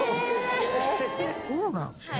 そうなんですね。